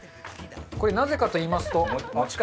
これなぜかといいますと。